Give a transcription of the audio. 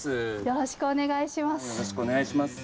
よろしくお願いします。